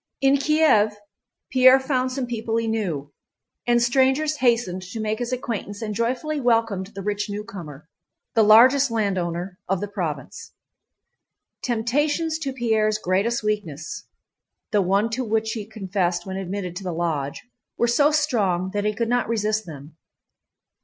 In Kiev Pierre found some people he knew, and strangers hastened to make his acquaintance and joyfully welcomed the rich newcomer, the largest landowner of the province. Temptations to Pierre's greatest weakness—the one to which he had confessed when admitted to the Lodge—were so strong that he could not resist them.